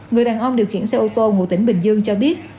người đàn ông điều khiển xe ô tô ngụ tỉnh bình dương cho biết